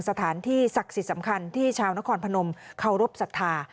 สถานที่ศักดิ์สิทธิ์สำคัญที่ชาวนครพนมเคารพสัทธา